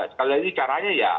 sekali lagi caranya ya